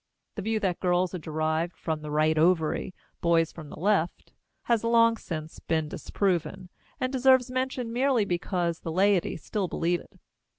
The view that girls are derived from the right ovary, boys from the left, has long since been disproven, and deserves mention merely because the laity still believe it.